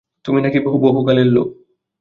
তুমি নাকি বহুকালের লোক।